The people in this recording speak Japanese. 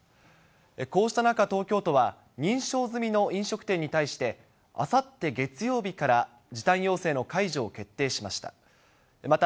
こうした中、東京都は認証済みの飲食店に対して、あさって月曜日から時短要請の解除を決定しました。